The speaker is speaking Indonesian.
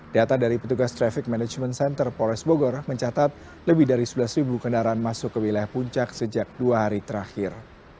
data dari petugas traffic management center polres bogor mencatat lebih dari sebelas kendaraan masuk ke wilayah puncak sejak dua hari terakhir